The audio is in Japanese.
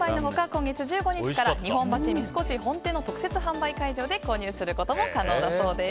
今月１５日から日本橋三越本店の特設販売会場で購入することも可能だそうです。